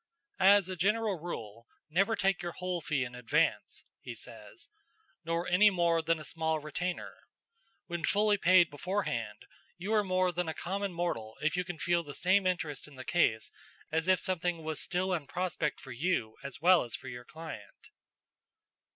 "As a general rule, never take your whole fee in advance," he says, "nor any more than a small retainer. When fully paid beforehand, you are more than a common mortal if you can feel the same interest in the case as if something was still in prospect for you as well as for your client."